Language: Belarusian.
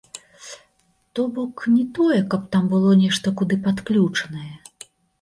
То бок, не тое, каб там было нешта некуды падключанае.